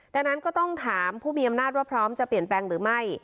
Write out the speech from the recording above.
ดังนั้นก็ต้องถามผู้มีอำนาจว่าพร้อมจะเปลี่ยนแปลงหรือไม่